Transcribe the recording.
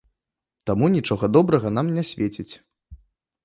Таму нічога добрага нам не свеціць.